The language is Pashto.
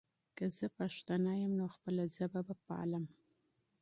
که زه پښتون یم، نو خپله ژبه به پالم.